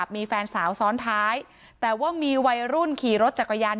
มีแฟนสาวซ้อนท้ายแต่ว่ามีวัยรุ่นขี่รถจักรยาน